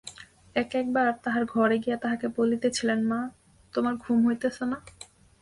এক-এক বার তাহার ঘরে গিয়া তাহাকে বলিতেছিলেন, মা, তোমার ঘুম হইতেছে না?